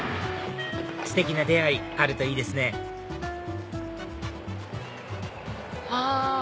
ステキな出会いあるといいですねはぁ。